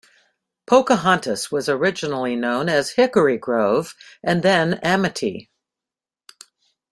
Pocahontas was originally known as Hickory Grove and then Amity.